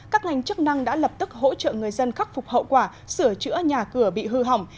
các ngành chức năng đã lập tức hỗ trợ người dân khắc phục hậu quả sửa chữa nhà cửa bị hư hỏng